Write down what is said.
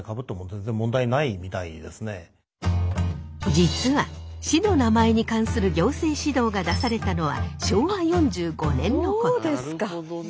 実は市の名前に関する行政指導が出されたのは昭和４５年のこと。